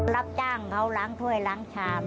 รับจ้างเขาล้างถ้วยล้างชาม